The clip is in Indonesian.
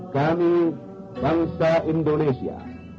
kami bangsa indonesia